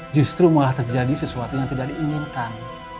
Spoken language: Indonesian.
justru malah terjadi sesuatu yang tidak diinginkan